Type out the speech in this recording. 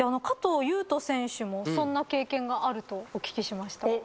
加藤裕斗選手もそんな経験があるとお聞きしました。